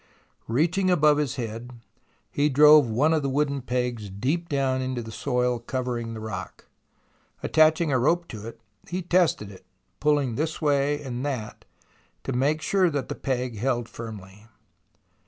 Reaching above his head, he drove one of the wooden pegs deep down into the soil covering the rock. Attaching a rope to it, he tested it, pulling this way and that, to make sure that the peg held firmly.